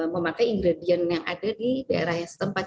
memakai ingredient yang ada di daerah yang setempat